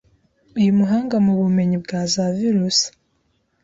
Uyu muhanga mu bumenyi bwa za virusi